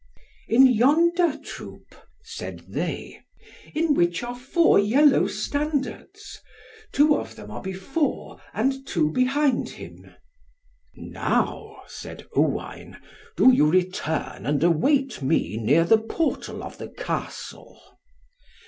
"In yonder troop," said they, "in which are four yellow standards. Two of them are before, and two behind him." "Now," said Owain, "do you return and await me near the portal of the Castle."